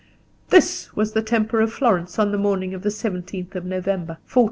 And this was the temper of Florence on the morning of the 17th of November 1494.